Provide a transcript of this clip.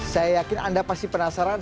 saya yakin anda pasti penasaran